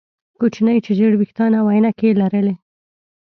کوچنی چې ژیړ ویښتان او عینکې یې لرلې